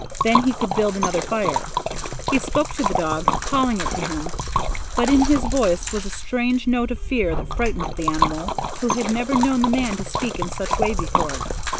Then he could build another fire. He spoke to the dog, calling it to him; but in his voice was a strange note of fear that frightened the animal, who had never known the man to speak in such way before.